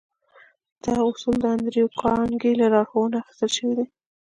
دا اصول د انډريو کارنګي له لارښوونو اخيستل شوي دي.